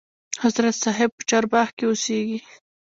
حضرت صاحب په چارباغ کې اوسیږي.